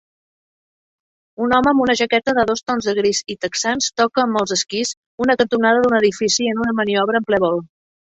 Un home amb una jaqueta de dos tons de gris i texans toca amb els esquís una cantonada d'un edifici en una maniobra en ple vol